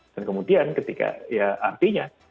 dan kemudian ketika ya artinya